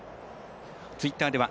ツイッターでは「＃